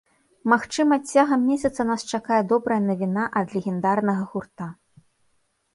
Магчыма, цягам месяца нас чакае добрая навіна ад легендарнага гурта.